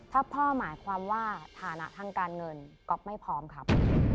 ถ้าพ่อหมายความว่าฐานะทางการเงินก๊อฟไม่พร้อมครับ